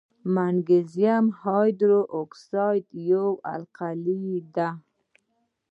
مګنیزیم هایدروکساید یوه القلي ده.